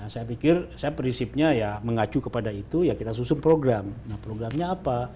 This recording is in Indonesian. saya pikir prinsipnya mengacu kepada itu kita susun program programnya apa